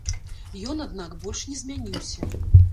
Ён, аднак, больш не змяніўся.